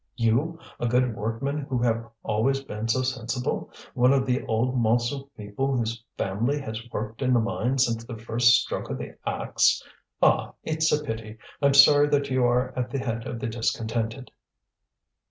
you, a good workman who have always been so sensible, one of the old Montsou people whose family has worked in the mine since the first stroke of the axe! Ah! it's a pity, I'm sorry that you are at the head of the discontented."